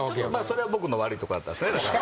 それは僕の悪いとこだったですねだから。